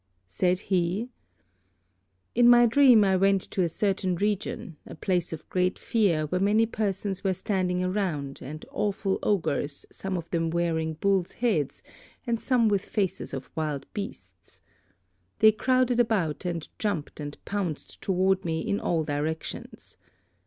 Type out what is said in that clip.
Said he, "In my dream I went to a certain region, a place of great fear where many persons were standing around, and awful ogres, some of them wearing bulls' heads, and some with faces of wild beasts. They crowded about and jumped and pounced toward me in all directions.